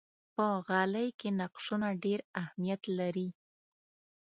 په غالۍ کې نقشونه ډېر اهمیت لري.